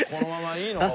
「いいのか？